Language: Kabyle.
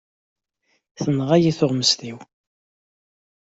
Tenɣa-iyi tuɣmest-iw.